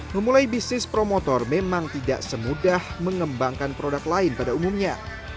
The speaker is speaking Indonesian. memulai bisnis promotor memang tidak semudah mengembangkan produk lain pada umumnya